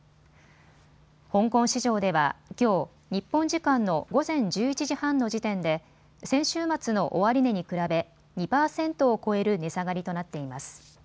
香港市場では、きょう日本時間の午前１１時半の時点で先週末の終値に比べ２％を超える値下がりとなっています。